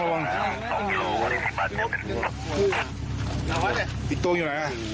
ต้องอยู่